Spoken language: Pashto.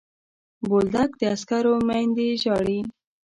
بولدک د عسکرو میندې ژاړي.